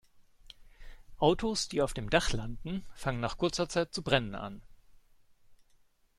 Autos, die auf dem Dach landen, fangen nach kurzer Zeit zu brennen an.